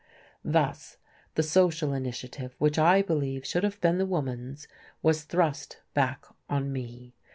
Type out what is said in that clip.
Thus the social initiative, which I believed should have been the woman's, was thrust back on me.